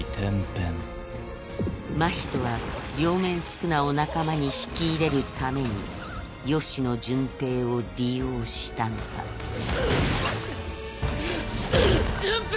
真人は両面宿儺を仲間に引き入れるために吉野順平を利用したのだ順平！